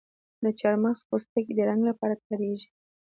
د چارمغز پوستکی د رنګ لپاره کاریږي؟